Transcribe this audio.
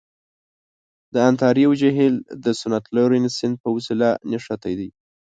د انتاریو جهیل د سنت لورنس سیند په وسیله نښتی دی.